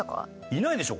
いないでしょ？